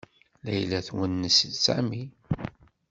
Layla twennes Sami.